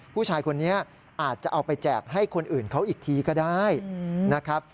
ผู้ชายคนนี้อาจจะเอาไปแจกให้คนอื่นเขาอีกทีก็ได้นะครับ